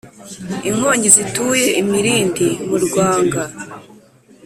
, inkongi zituye imilindi mu rwanga